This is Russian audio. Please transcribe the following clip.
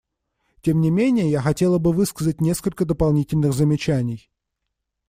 Тем не менее я хотела бы высказать несколько дополнительных замечаний.